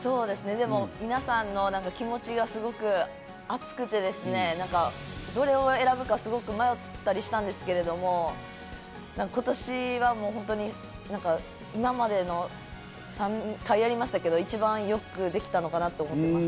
でも皆さんの気持ちがすごく熱くてですねどれを選ぶかすごく迷ったりしたんですけれども今年はホントに今まで３回やりましたけど一番良くできたのかなと思ってます。